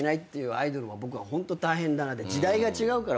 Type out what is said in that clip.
アイドルは僕はホント大変だなって時代が違うから。